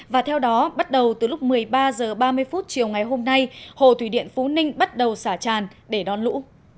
và theo đó bắt đầu từ lúc một mươi ba h ba mươi chiều ngày hôm nay hồ thủy điện phú ninh bắt đầu xả tràn để đón lũ